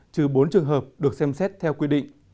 trừ bốn trường hợp được xem xét theo quy định